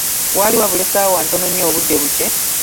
Waali wabula essaawa ntono nnyo obudde bukye.